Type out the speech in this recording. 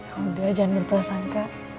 yaudah jangan berpengangka